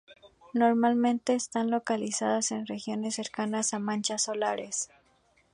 Normalmente están localizadas en regiones cercanas a manchas solares.